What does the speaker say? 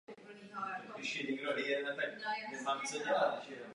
V džungli lidského bytí je obětování pro dobrou věc bezvýznamné.